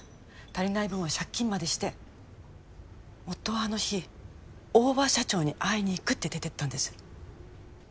足りない分は借金までして夫はあの日大庭社長に会いに行くって出てったんです